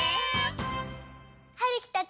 はるきたち